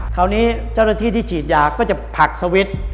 คราวนี้เจ้าหน้าที่ที่ฉีดยาก็จะผลักสวิตช์